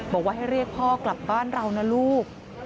บอกว่าให้เรียกพ่อกลับบ้านเรานะลูก